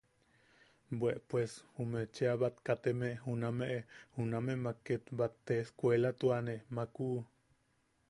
Bwe pues ume cheʼa bat kateme juname junamemak te bat te escuelatuane makku.